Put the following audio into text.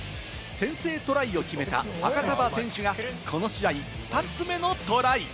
先制トライを決めたファカタヴァ選手がこの試合２つ目のトライ！